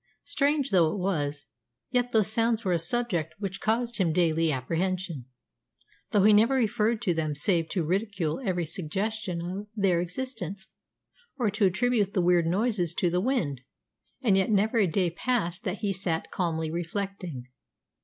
Strange though it was, yet those sounds were a subject which caused him daily apprehension. Though he never referred to them save to ridicule every suggestion of their existence, or to attribute the weird noises to the wind, yet never a day passed but he sat calmly reflecting.